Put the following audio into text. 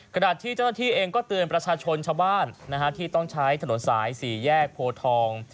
ก็เตือนประชาชนชาวบ้านนะฮะที่ต้องใช้ถนนสายสี่แยกโพธอง